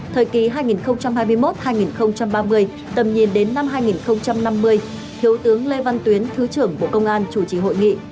thời kỳ hai nghìn hai mươi một hai nghìn ba mươi tầm nhìn đến năm hai nghìn năm mươi thiếu tướng lê văn tuyến thứ trưởng bộ công an chủ trì hội nghị